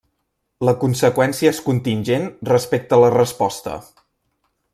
La conseqüència és contingent respecte la resposta.